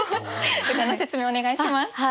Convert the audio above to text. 歌の説明お願いします。